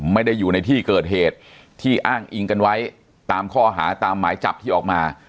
ไม่ได้อยู่ในที่เกิดเหตุที่อ้างอิงกันไว้ตามข้อหาตามหมายจับที่ออกมา